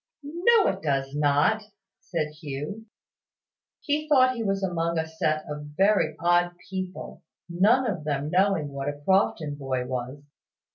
"No, it does not," said Hugh. He thought he was among a set of very odd people, none of them knowing what a Crofton boy was.